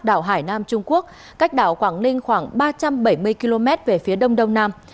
đảo hải nam trung quốc cách đảo quảng ninh khoảng ba trăm bảy mươi km về phía đông đông nam